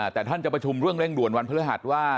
แต่ท่านจะประชุมเรื่องเร่งด่วนวันพฤหัสว่า